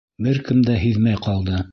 Бер кем дә һиҙмәй ҡалды.